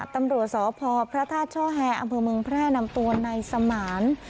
ตำรวจสอบพอร์พระทาศน์ช่อแฮะอเมืองแพร่นำตัวในสมาร์น